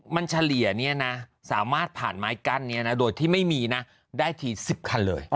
มันเฉลี่ยเนี่ยนะสามารถผ่านไม้กั้นนี้นะโดยที่ไม่มีนะได้ที๑๐คันเลย